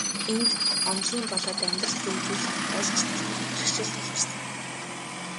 Энд, онолын болоод амьдралд хэрэгжүүлэх аль ч талбарт бэрхшээл тулгарсан.